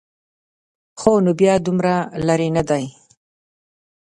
ښه نو بیا دومره لرې نه دی.